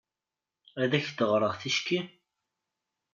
Ad ak-d-ɣreɣ ticki?